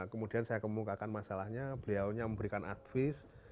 kemudian saya kemukakan masalahnya beliau memberikan advis